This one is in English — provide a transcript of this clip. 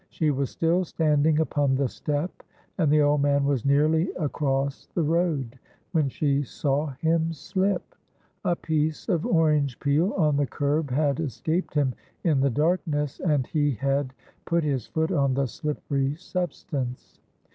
She was still standing upon the step, and the old man was nearly across the road, when she saw him slip. A piece of orange peel on the curb had escaped him in the darkness, and he had put his foot on the slippery substance.